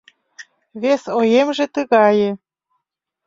Вес оемже тыгае.